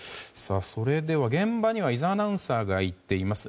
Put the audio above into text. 現場には井澤アナウンサーが行っています。